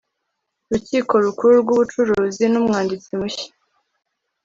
rukiko rukuru rw ubucuruzi n umwanditsi mushya